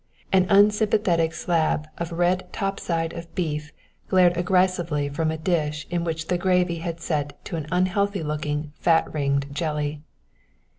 An unsympathetic slab of red topside of beef glared aggressively from a dish in which the gravy had set to an unhealthy looking fat ringed jelly.